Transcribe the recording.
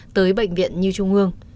tới bệnh viện như trung ương